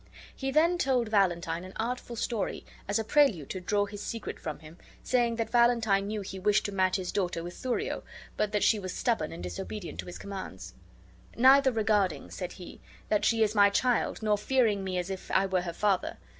He then told Valentine an artful story, as a prelude to draw his secret from him, saying that Valentine knew he wished to match his daughter with Thurio, but that she was stubborn and disobedient to his commands. "Neither regarding," said he, "that she is my child nor fearing me as if I were her father.